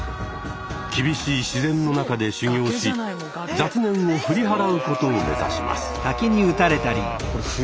厳しい自然の中で修行し雑念を振り払うことを目指します。